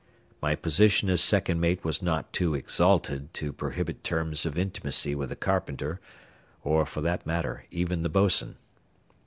My position as second mate was not too exalted to prohibit terms of intimacy with the carpenter, or, for that matter, even the bos'n.